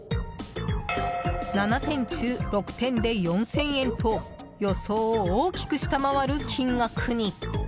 ７点中６点で、４０００円と予想を大きく下回る金額に。